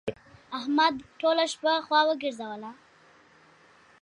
احمد ټوله شپه خوا وګرځوله.